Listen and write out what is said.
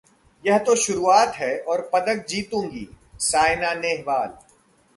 यह तो शुरुआत है, और पदक जीतूंगी: सायना नेहवाल